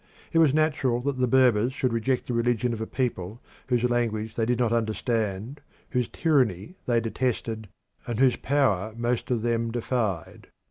It was natural that the Berbers should reject the religion of a people whose language they did not understand, whose tyranny they detested, and whose power most of them defied.